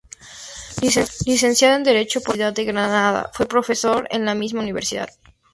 Licenciado en Derecho por la Universidad de Granada, fue profesor en la misma universidad.